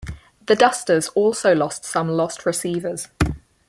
The Dusters also lost some lost receivers.